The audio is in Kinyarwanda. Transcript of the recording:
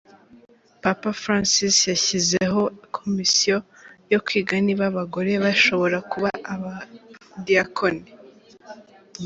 Papa Francis yashyizeho komisiyo yo kwiga niba abagore bashobora kuba abadiyakoni.